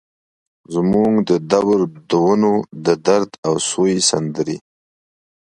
زموږ د دور دونو ، ددرد او سوي سندرې